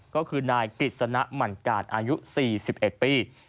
ก็คือนายกฤษณะหมั่นกาดอายุ๔๑ปี